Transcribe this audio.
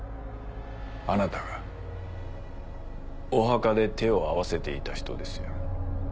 あなたがお墓で手を合わせていた人ですよ。